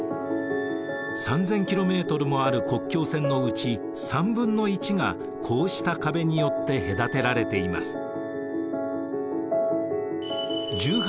３，０００ｋｍもある国境線のうち３分の１がこうした壁によって隔てられています。